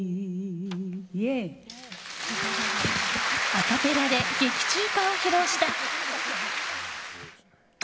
アカペラで劇中歌を披露した。